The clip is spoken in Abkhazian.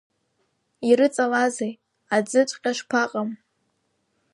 Ирыҵалазеи, аӡыҵәҟьа шԥаҟам.